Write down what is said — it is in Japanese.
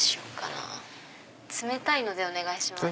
冷たいのでお願いします。